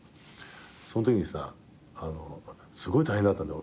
そんときにさすごい大変だったんだよ。